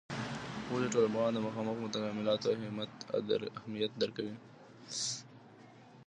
ولي ټولنپوهان د مخامخ تعاملاتو اهمیت درک کوي؟